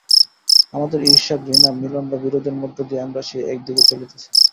আমাদের ঈর্ষা, ঘৃণা, মিলন ও বিরোধের মধ্য দিয়া আমরা সেই একদিকে চলিতেছি।